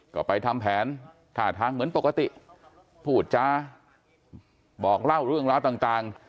ก็ไปทำแผนท่าทางเหมือนปกติพูดจาบอกเล่าเรื่องราวต่าง